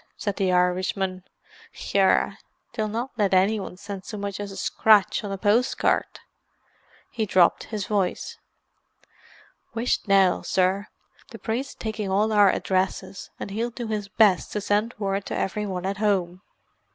said the Irishman. "Yerra, they'll not let anyone send so much as a scratch on a post card." He dropped his voice. "Whisht now, sir: the priest's taking all our addresses, and he'll do his best to send word to every one at home."